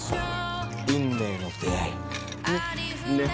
運命の出会い。ね？